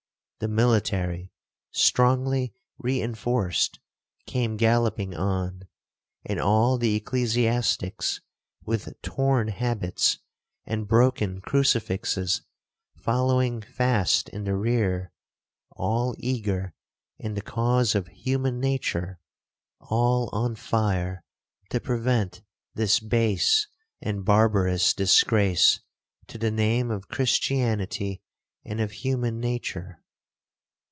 The military, strongly reinforced, came galloping on, and all the ecclesiastics, with torn habits, and broken crucifixes, following fast in the rear,—all eager in the cause of human nature—all on fire to prevent this base and barbarous disgrace to the name of Christianity and of human nature.